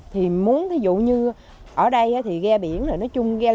thì muốn ví dụ như ở đây á thì ghe biển rồi nói chung ghe lớn